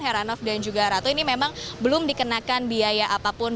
heranov dan juga ratu ini memang belum dikenakan biaya apapun